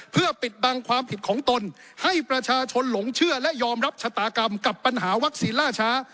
เพื่อปิดบังความผิดของตนให้ประชาชนหลงเชื่อและยอมรับชะตากรรมกับปัญหาวัคซีนล่าช้า